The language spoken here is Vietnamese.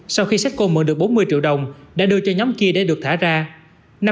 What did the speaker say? sau khi setsko mượn được bốn mươi triệu đồng đã đưa cho nhóm kia để được thả ra